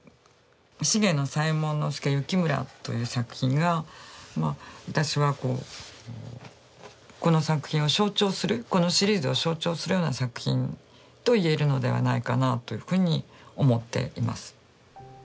「滋野左ヱ門佐幸村」という作品がまあ私はこの作品を象徴するこのシリーズを象徴するような作品と言えるのではないかなというふうに思っています。